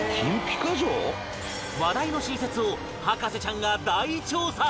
話題の新説を博士ちゃんが大調査！